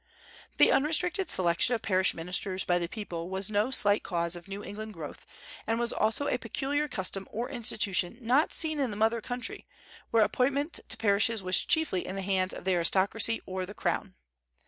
The unrestricted selection of parish ministers by the people was no slight cause of New England growth, and was also a peculiar custom or institution not seen in the mother country, where appointment to parishes was chiefly in the hands of the aristocracy or the crown.